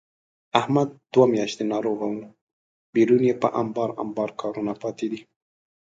احمد دوه میاشتې ناروغه و، بېرون یې په امبار امبار کارونه پاتې دي.